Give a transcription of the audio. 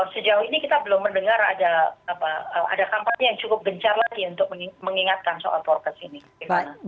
sejauh ini kita belum mendengar ada kampanye yang cukup gencar lagi untuk mengingatkan soal prokes ini